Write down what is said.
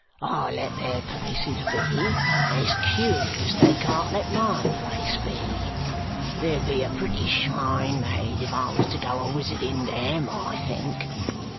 I let their places be, and it's curious they can't let my place be. There'd be a pretty shine made if I was to go a wisitin THEM, I think.